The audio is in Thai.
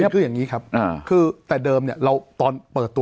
คืออย่างนี้ครับคือแต่เดิมเนี่ยเราตอนเปิดตัว